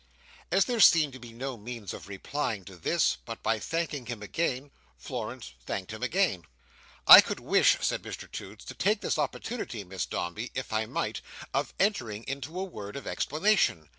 As there seemed to be no means of replying to this, but by thanking him again, Florence thanked him again. "I could wish," said Mr Toots, "to take this opportunity, Miss Dombey, if I might, of entering into a word of explanation.